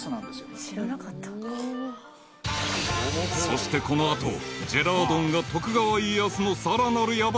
［そしてこの後ジェラードンが徳川家康のさらなるヤバい話を紹介］